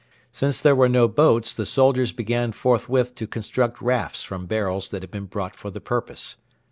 Since there were no boats the soldiers began forthwith to construct rafts from barrels that had been brought for the purpose.